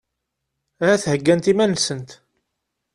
Ahat heggant iman-nsent.